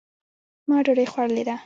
ما دوډۍ خوړلې ده